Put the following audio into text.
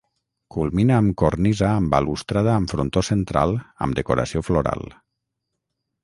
Culmina amb cornisa amb balustrada amb frontó central amb decoració floral.